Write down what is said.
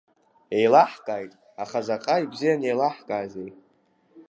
Еилаҳкааит, аха заҟа ибзианы еилаҳкаазеи!